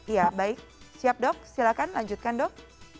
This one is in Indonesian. ya baik siap dok silahkan lanjutkan dok